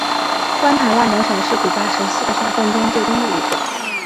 关塔那摩省是古巴十四个省份中最东的一个。